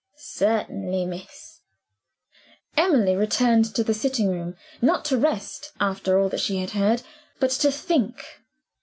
"Certainly, miss." Emily returned to the sitting room: not to rest (after all that she had heard), but to think.